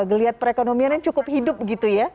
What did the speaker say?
kelihat perekonomian yang cukup hidup gitu ya